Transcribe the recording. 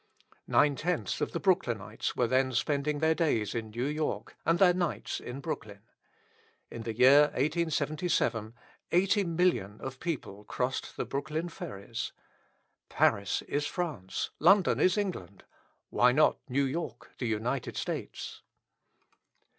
Nine tenths of the Brooklynites then were spending their days in New York, and their nights in Brooklyn. In the year 1877, 80,000,000 of people crossed the Brooklyn ferries. Paris is France, London is England, why not New York the United States?